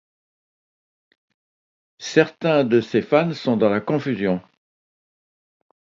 Certains de ses fans sont dans la confusion.